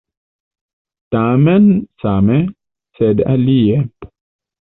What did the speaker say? Tamen same, sed alie!